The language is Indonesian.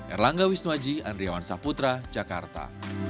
erlangga wisnuaji andriawan saputra jakarta